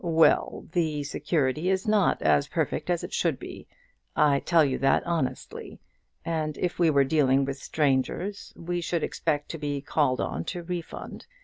"Well, the security is not as perfect as it should be. I tell you that honestly; and if we were dealing with strangers we should expect to be called on to refund.